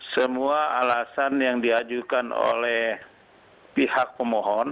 semua alasan yang diajukan oleh pihak pemohon